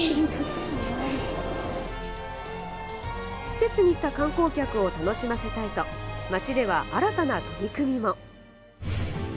施設に来た観光客を楽しませたいと街では新たな取り組みも。